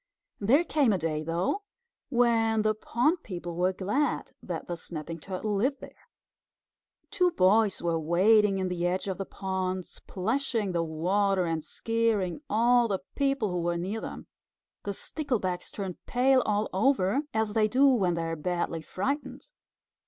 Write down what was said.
There came a day, though, when the pond people were glad that the Snapping Turtle lived there. Two boys were wading in the edge of the pond, splashing the water and scaring all the people who were near them. The Sticklebacks turned pale all over, as they do when they are badly frightened.